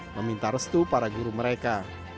meminta restu para guru mereka